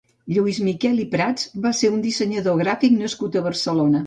Lluís Miquel i Prats va ser un dissenyador gràfic nascut a Barcelona.